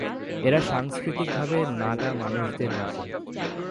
এরা সাংস্কৃতিকভাবে নাগা মানুষদের মতই।